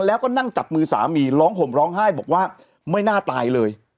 แล้วก็นั่งจับมือสามีร้องห่มร้องไห้บอกว่าไม่น่าตายเลย